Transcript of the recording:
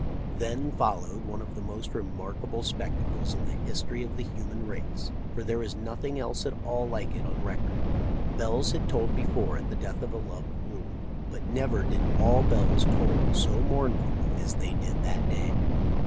Then followed one of the most remarkable spectacles in the history of the human race, for there is nothing else at all like it on record. Bells had tolled before at the death of a loved ruler, but never did all bells toll so mournfully as they did that day.